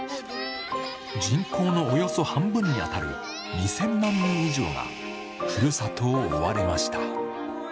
人口のおよそ半分に当たる２０００万人以上が、ふるさとを追われました。